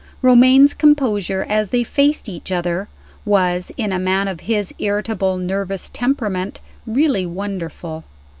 Romayne's composure, as they faced each other, was, in a man of his irritable nervous temperament, really wonderful.